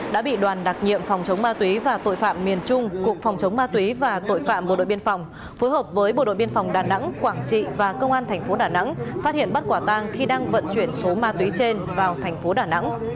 đã bị đoàn đặc nhiệm phòng chống ma túy và tội phạm miền trung cục phòng chống ma túy và tội phạm bộ đội biên phòng phối hợp với bộ đội biên phòng đà nẵng quảng trị và công an thành phố đà nẵng phát hiện bắt quả tang khi đang vận chuyển số ma túy trên vào thành phố đà nẵng